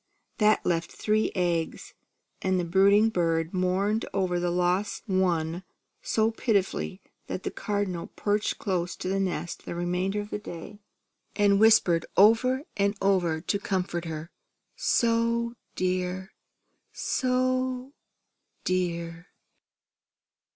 That left three eggs; and the brooding bird mourned over the lost one so pitifully that the Cardinal perched close to the nest the remainder of the day, and whispered over and over for her comfort that she was "So dear!